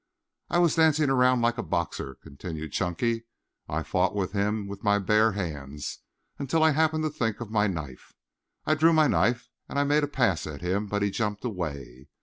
"I was dancing around like a boxer," continued Chunky. "I fought him with my hare hands until I happened to think of my knife. I drew my knife and I made a pass at him, but he jumped away.